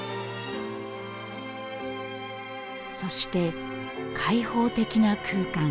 そして開放的な空間。